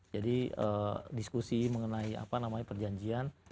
jadi diskusi mengenai apa namanya perjanjian